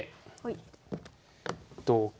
同金。